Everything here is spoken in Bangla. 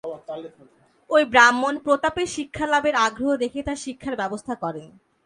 ওই ব্রাহ্মণ প্রতাপের শিক্ষালাভের আগ্রহ দেখে তার শিক্ষার ব্যবস্থা করেন।